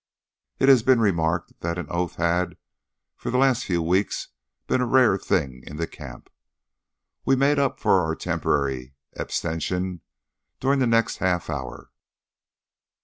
It has been remarked that an oath had, for the last few weeks, been a rare thing in the camp. We made up for our temporary abstention during the next half hour.